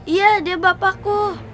iya dia bapakku